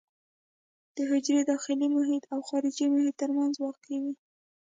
د حجرې داخلي محیط او خارجي محیط ترمنځ واقع وي.